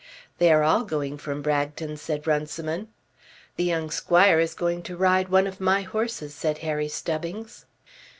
"They are all going from Bragton," said Runciman. "The young squire is going to ride one of my horses," said Harry Stubbings.